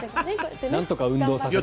なんとか運動させようと。